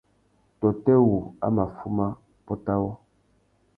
Tôtê wu a mà fuma pôt awô ?